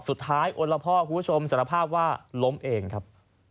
โอละพ่อคุณผู้ชมสารภาพว่าล้มเองครับ